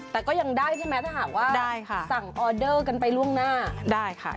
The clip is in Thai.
แต่ก็ยังได้ใช่ไหมถ้าหากว่าสั่งออเดอร์กันไปล่วงหน้าได้ค่ะ